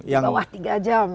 di bawah tiga jam